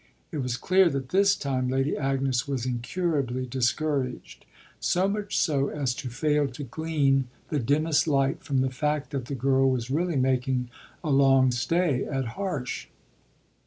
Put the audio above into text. It was clear that this time Lady Agnes was incurably discouraged; so much so as to fail to glean the dimmest light from the fact that the girl was really making a long stay at Harsh.